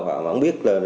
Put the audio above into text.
họ vẫn biết